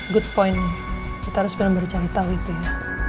good point kita harus belum bercerita itu ya